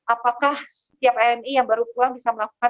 apakah setiap emi yang baru pulang bisa melakukan